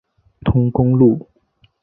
通公路。